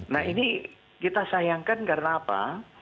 nah ini kita sayangkan karena apa